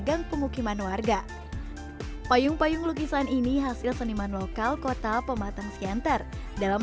gang pemukiman warga payung payung lukisan ini hasil seniman lokal kota pematang siantar dalam